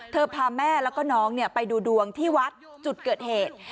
พาแม่แล้วก็น้องไปดูดวงที่วัดจุดเกิดเหตุ